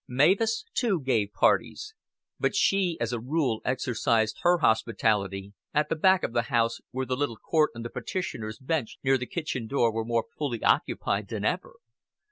Mavis too gave parties; but she as a rule exercised her hospitality at the back of the house, where the little court and the petitioners' bench near the kitchen door were more fully occupied than ever.